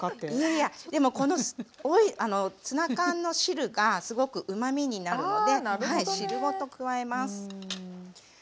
いやいやでもこのツナ缶の汁がすごくうまみになるので汁ごと加えます。